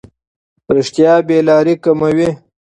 رښتیا بې لارۍ کموي.